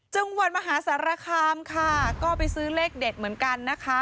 จังหวัดมหาสารคามค่ะก็ไปซื้อเลขเด็ดเหมือนกันนะคะ